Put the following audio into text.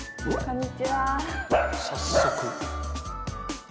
早速。